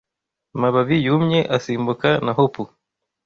Amababi yumye asimbuka na hopu